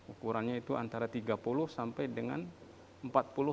ukurannya itu antara tiga puluh sampai dengan empat puluh